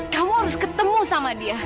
kamu harus ketemu sama dia